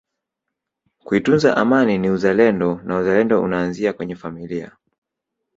kuitunza Amani ni uzalendo na uzalendo unaanzia kwenye familia